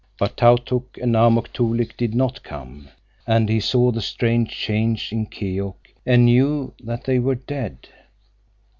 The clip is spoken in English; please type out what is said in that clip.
But Tautuk and Amuk Toolik did not come, and he saw the strange change in Keok, and knew that they were dead.